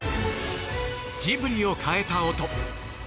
ジブリを変えた音。